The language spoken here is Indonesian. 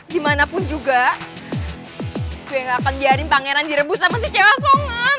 gimanapun juga gue gak akan biarin pangeran direbut sama si cewa songan